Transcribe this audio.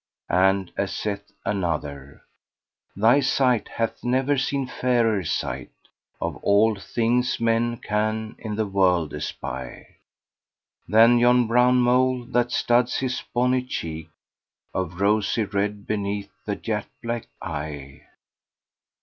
"[FN#469] And as saith another, "Thy sight hath never seen a fairer sight, * Of all things men can in the world espy, Than yon brown mole, that studs his bonny cheek * Of rosy red beneath that jet black eye."